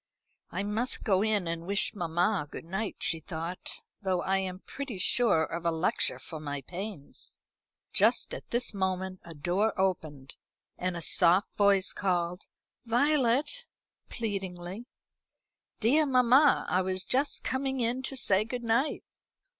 "I must go in and wish mamma good night," she thought; "though I am pretty sure of a lecture for my pains." Just at this moment a door opened, and a soft voice called "Violet," pleadingly. "Dear mamma, I was just coming in to say good night."